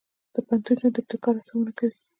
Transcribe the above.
د پوهنتون ژوند د ابتکار هڅونه کوي.